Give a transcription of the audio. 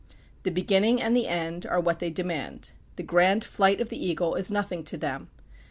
The beginning and the end are what they demand. The grand flight of the eagle is nothing to them.